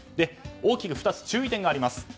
大きく２つ注意点があります。